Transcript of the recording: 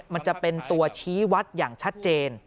มันจะเป็นตัวชี้วัดอย่างชัดเจน